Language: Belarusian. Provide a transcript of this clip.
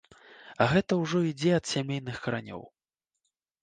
А гэта ўжо ідзе ад сямейных каранёў.